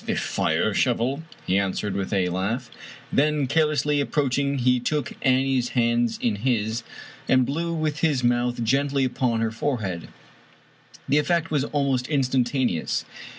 The fire shovel?" he answered with a laugh. Then, carelessly approaching, he took Annie's hands in his, and blew with his mouth gently upon her forehead. The effect was almost instantaneous.